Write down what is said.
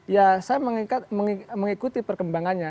ya saya mengikuti perkembangannya